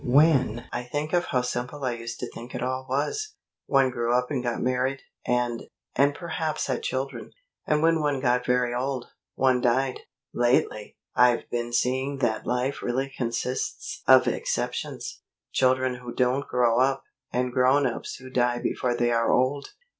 "When I think of how simple I used to think it all was! One grew up and got married, and and perhaps had children. And when one got very old, one died. Lately, I've been seeing that life really consists of exceptions children who don't grow up, and grown ups who die before they are old.